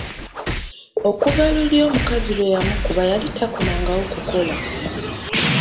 Okuva luli omukazi lwe yamukuba yali takomangawo kukola.